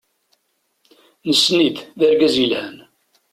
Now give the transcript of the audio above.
Nessen-it, d argaz yelhan.